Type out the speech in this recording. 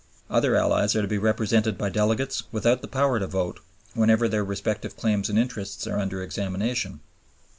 Other allies are to be represented by delegates, without the power to vote, whenever their respective claims and interests are under examination.